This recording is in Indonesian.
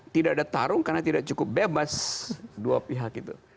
tidak ada tarung karena tidak cukup bebas dua pihak itu